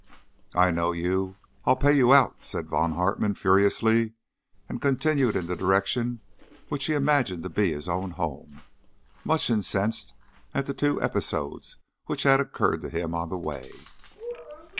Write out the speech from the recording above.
"I know you. I'll pay you out," said Von Hartmann furiously, and continued in the direction which he imagined to be his own home, much incensed at the two episodes which had occurred to him on the way.